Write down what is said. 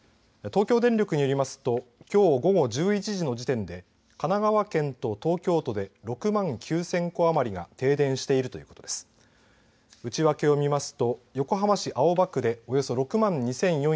東京電力によりますときょう午後１１時の時点で神奈川県と東京都で６万９０００戸余りが停電してるということです。